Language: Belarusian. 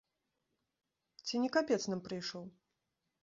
Ці не капец нам прыйшоў?